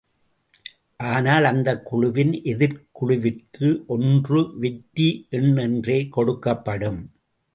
ஆனால் அந்தக் குழுவின் எதிர்க் குழுவிற்கு ஒன்று வெற்றி எண் என்றே கொடுக்கப்படும்.